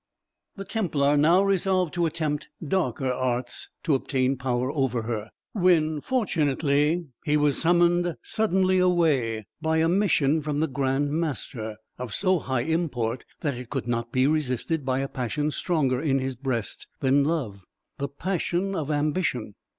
The Templar now resolved to attempt darker arts to obtain power over her, when, fortunately, he was summoned suddenly away by a mission from the Grand Master, of so high import that it could not be resisted by a passion stronger in his breast than love the passion of ambition.